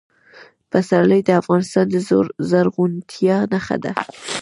پسرلی د افغانستان د زرغونتیا نښه ده.